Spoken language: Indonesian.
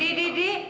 didi didi didi